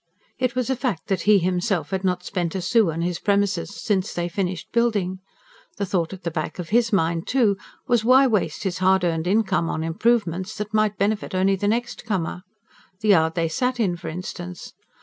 It was a fact that he himself had not spent a sou on his premises since they finished building. The thought at the back of HIS mind, too, was, why waste his hard earned income on improvements that might benefit only the next comer? The yard they sat in, for instance!